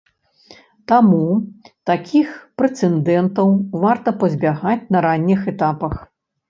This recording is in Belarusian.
Таму такіх прэцэдэнтаў варта пазбягаць на ранніх этапах.